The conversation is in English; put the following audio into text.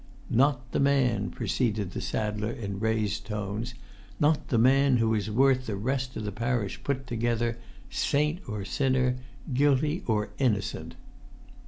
"Not the man," proceeded the saddler in raised tones—"not the man who is worth the rest of the parish put together—saint or sinner—guilty or innocent!"